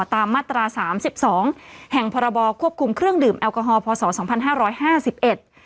ตามมาตรา๓๒แห่งพรบควบคุมเครื่องดื่มแอลกอฮอล์พศ๒๕๕๑